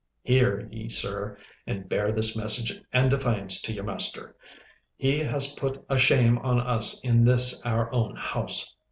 'Hear ye, sir, and bear this message and defiance to your master. He has put a shame on us in this our own house.